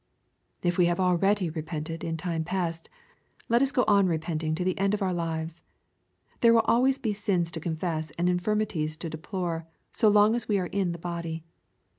If we have already repented in time past, let us go on repenting to the end of our lives. There will always be sins to confess and infirmities to deplore, so long as wo are in the body.